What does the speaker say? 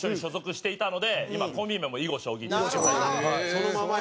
そのままや。